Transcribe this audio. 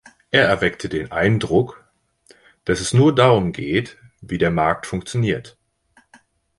Er erweckt den Eindruck, dass es nur darum geht, wie der Markt funktioniert.